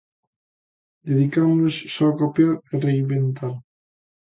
Dedicámonos só a copiar e reinventar?